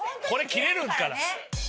これ切れるから。